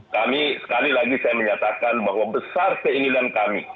kami sekali lagi saya menyatakan bahwa besar keinginan kami